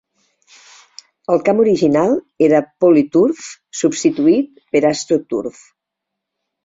El camp original era Poly-Turf, substituït per AstroTurf.